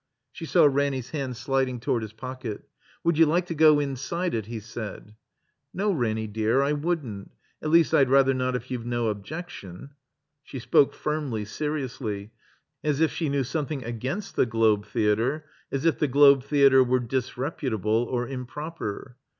She saw Ranny's hand sliding toward his pocket. "Would you like to go inside it?" he said. "No, Ranny, dear, I wouldn't. At least, I'd rather not if you've no objection." She spoke firmly, seriously, as if she knew some thing against the Globe Theater, as if the Globe Theater were disreputable or improper.